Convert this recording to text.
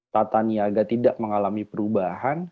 tata niaga tidak mengalami perubahan